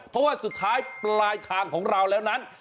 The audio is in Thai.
เพราะว่าสุดท้ายปลายทางของเราแล้วนั้น